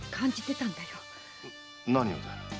何をだい？